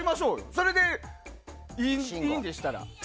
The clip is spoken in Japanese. それでいいんでしたら。